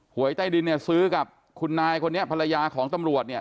หวยใต้ดินเนี่ยซื้อกับคุณนายคนนี้ภรรยาของตำรวจเนี่ย